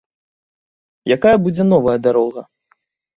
Якая будзе новая дарога?